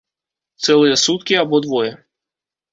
Цэлыя суткі або двое.